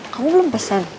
kamu belum pesen